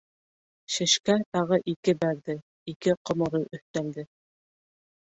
Шешкә тағы ике бәрҙе, ике ҡоморой өҫтәлде.